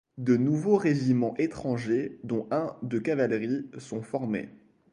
De nouveaux régiments étrangers dont un de cavalerie sont formés.